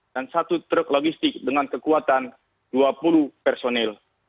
dan satu truk logistik dengan kekuatan dua puluh personil